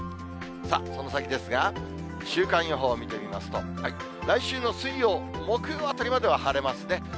その先ですが、週間予報見てみますと、来週の水曜、木曜あたりまでは晴れますね。